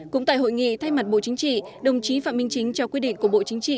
cũng tại hội nghị thay mặt bộ chính trị đồng chí phạm minh chính trao quyết định của bộ chính trị